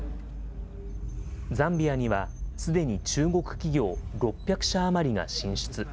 ザンビアには、すでに中国企業６００社余りが進出。